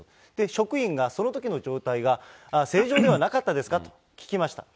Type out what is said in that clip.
職員が、そのときの状態が正常ではなかったですか？と聞きました。